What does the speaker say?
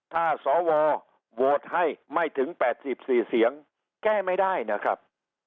ถ้าสวโหโวตให้ไม่ถึงแปดสิบสี่เสียงแก้ไม่ได้นะครับ